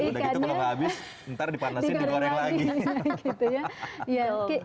udah gitu kalau gak habis ntar dipanesin digoreng lagi